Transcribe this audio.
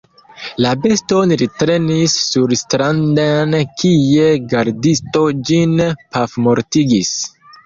La beston li trenis surstranden, kie gardisto ĝin pafmortigis.